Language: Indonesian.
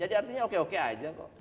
jadi artinya oke oke aja kok